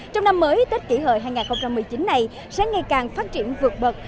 trong năm mới tết kỷ hợi hai nghìn một mươi chín này sẽ ngày càng phát triển vượt bậc